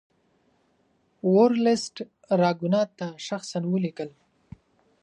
ورلسټ راګونات ته شخصا ولیکل.